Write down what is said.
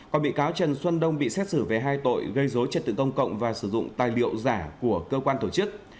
còn bị cáo trần xuân đông bị xét xử về hai tội gây dối trật tự công cộng và sử dụng tài liệu giả của cơ quan tổ chức